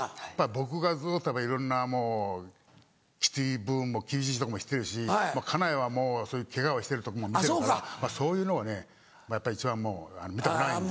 僕がずっといろんなもうきつい部分も厳しいとこも知ってるし家内はもうケガをしてるとこも見てるからそういうのをねやっぱり一番見たくないんで。